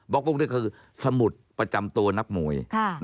บล็อกบุ๊กก็คือสมุทรประจำตัวนักมวย